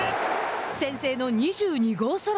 先制の２２号ソロ。